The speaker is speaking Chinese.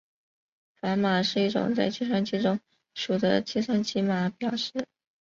反码是一种在计算机中数的机器码表示。